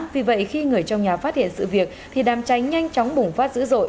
vì vậy khi người trong nhà phát hiện sự việc thì đàm cháy nhanh chóng bùng phát dữ dội